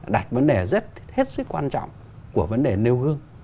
đặt vấn đề rất hết sức quan trọng của vấn đề nêu gương